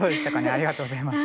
ありがとうございます。